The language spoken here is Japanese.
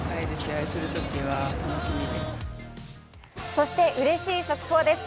そしてうれしい速報です。